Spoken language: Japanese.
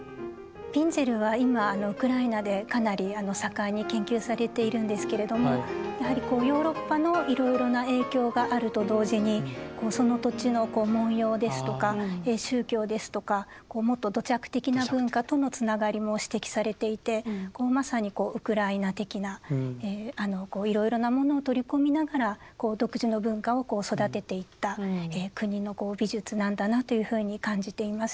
ピンゼルは今ウクライナでかなり盛んに研究されているんですけれどもやはりヨーロッパのいろいろな影響があると同時にその土地の文様ですとか宗教ですとかこうもっと土着的な文化とのつながりも指摘されていてまさにウクライナ的ないろいろなものを取り込みながら独自の文化を育てていった国の美術なんだなというふうに感じています。